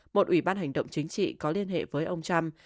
một ủy ban hành động chính trị có liên hệ với ông trump